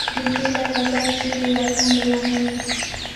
بېخي لکه دای چې د وطن لېونۍ وي.